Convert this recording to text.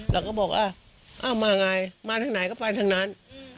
เราก็บอกว่าอ้าวมาไงมาทางไหนก็ไปทางนั้น